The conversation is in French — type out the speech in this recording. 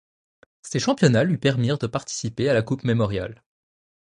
Ces championnats lui permirent de participer à la Coupe Memorial.